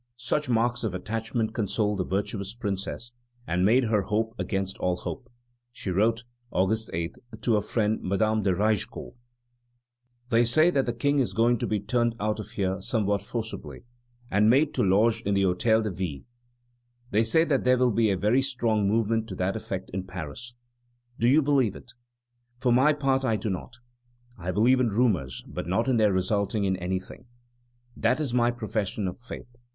Such marks of attachment consoled the virtuous Princess, and made her hope against all hope. She wrote, August 8, to her friend Madame de Raigecourt: "They say that the King is going to be turned out of here somewhat forcibly, and made to lodge in the Hôtel de Ville. They say that there will be a very strong movement to that effect in Paris. Do you believe it? For my part, I do not. I believe in rumors, but not in their resulting in anything. That is my profession of faith.